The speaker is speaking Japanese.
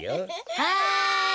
はい。